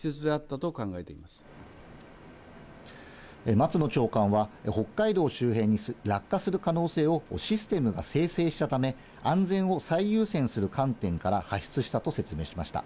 松野長官は北海道周辺に落下する可能性をシステムが生成したため、安全を最優先する観点から発出したと説明しました。